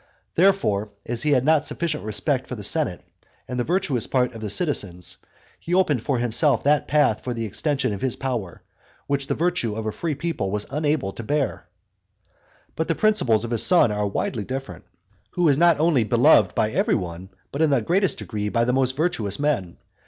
Therefore, as he had not sufficient respect for the senate and the virtuous part of the citizens, he opened for himself that path for the extension of his power, which the virtue of a free people was unable to bear. But the principles of his son are widely different; who is not only beloved by every one, but in the greatest degree by the most virtuous men.